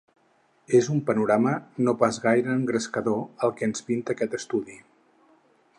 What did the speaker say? És un panorama no pas gaire engrescador, el que ens pinta aquest estudi.